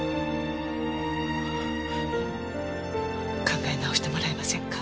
考え直してもらえませんか？